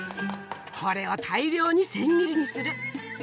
これを大量に千切りにする！